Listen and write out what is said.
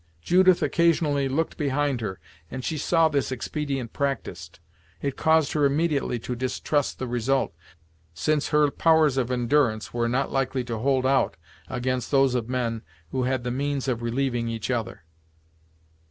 Judith occasionally looked behind her, and she saw this expedient practised. It caused her immediately to distrust the result, since her powers of endurance were not likely to hold out against those of men who had the means of relieving each other.